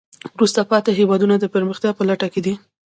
وروسته پاتې هېوادونه د پرمختیا په لټه کې دي.